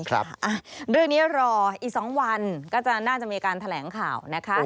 เรื่องนี้รออีก๒วันก็จะน่าจะมีการแถลงข่าวนะคะ